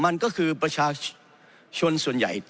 มันก็คือประชาชนส่วนใหญ่